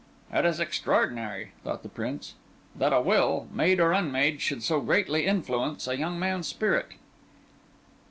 "It is extraordinary," thought the Prince, "that a will, made or unmade, should so greatly influence a young man's spirit."